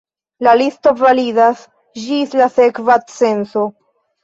La listo validas ĝis la sekva censo.